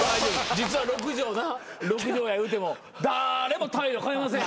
実は６畳や言うても誰も態度変えません。